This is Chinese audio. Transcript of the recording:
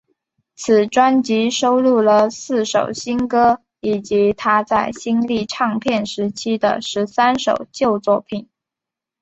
此专辑收录了四首新歌以及她在新力唱片时期的十三首旧作品。